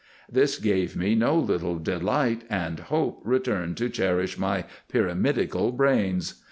This gave me no little delight, and hope returned to cherish my pyramidical brains.